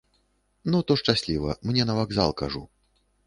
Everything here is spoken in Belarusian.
Ну, то шчасліва, мне на вакзал, кажу.